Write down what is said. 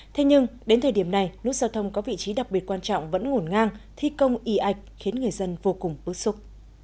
thế nhưng đến thời điểm này nút giao thông có vị trí đặc biệt quan trọng vẫn ngổn ngang thi công y ạch khiến người dân vô cùng bức xúc